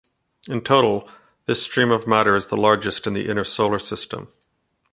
In total, this stream of matter is the largest in the inner solar system.